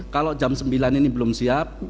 kalau jam sembilan ini belum siap